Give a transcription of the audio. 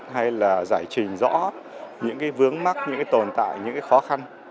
hay là giải trình rõ những vướng mắt những tồn tại những khó khăn